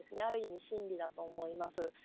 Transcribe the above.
ある意味真理だと思います。